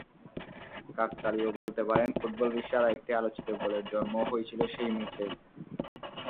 কাকতালীয় বলতে পারেন, ফুটবল বিশ্বের আরেকটি আলোচিত গোলের জন্মও হয়েছিল সেই ম্যাচেই।